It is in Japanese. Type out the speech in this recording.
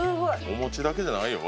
お餅だけじゃないよ。